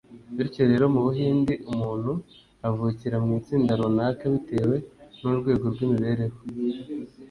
bityo rero, mu buhindi umuntu avukira mu itsinda runaka bitewe n’urwego rw’imibereho